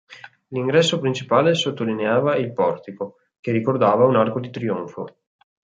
L'ingresso principale sottolineava il portico, che ricordava un arco di trionfo.